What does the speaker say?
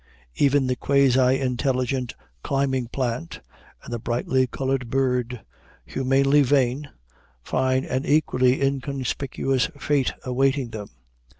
Even the quasi intelligent climbing plant and the brightly colored bird, humanly vain, find an equally inconspicuous fate awaiting them.